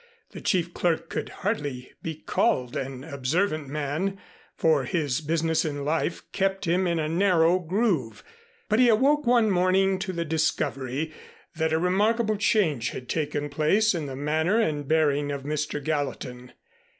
The chief clerk could hardly be called an observant man, for his business in life kept him in a narrow groove, but he awoke one morning to the discovery that a remarkable change had taken place in the manner and bearing of Mr. Gallatin.